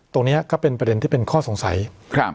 ตรงนี้ก็เป็นประเด็นที่เป็นข้อสงสัยครับ